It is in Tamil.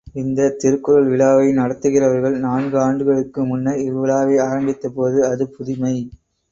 இந்தத் திருக்குறள் விழாவை நடத்துகிறவர்கள் நான்கு ஆண்டுகட்கு முன்பு இவ்விழாவை ஆரம்பித்தபோது அது புதுமை.